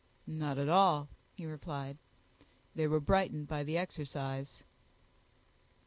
"Not at all," he replied: "they were brightened by the exercise."